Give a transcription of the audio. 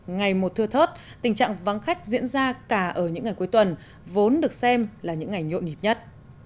ngày một thưa thớt tình trạng vắng khách diễn ra cả ở những ngày cuối tuần vốn được xem là những ngày nhộn nhịp nhất